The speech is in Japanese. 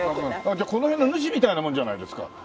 じゃあこの辺の主みたいなもんじゃないですか。